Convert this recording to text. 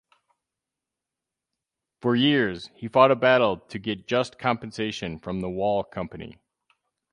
For years, he fought a battle to get just compensation from the Wahl Company.